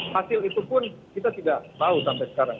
hasil itu pun kita tidak tahu sampai sekarang